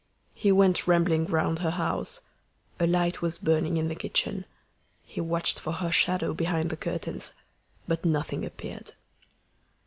He went rambling round her house. A light was burning in the kitchen. He watched for her shadow behind the curtains, but nothing appeared.